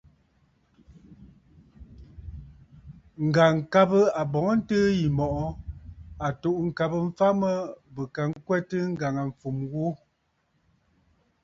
Ŋ̀gàŋkabə àbɔ̀ŋəntɨɨ yì mɔ̀ʼɔ à tù'û ŋ̀kabə mfa mə bɨ ka ŋkwɛtə ŋgàŋâfumə ghu.